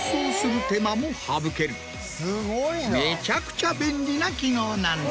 めちゃくちゃ便利な機能なんです。